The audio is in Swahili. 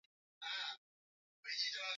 Siwezi kupambana na shida za kila mtu.